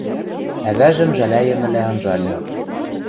Ӓвӓжӹм жӓлӓйӹмӹлӓ анжальы.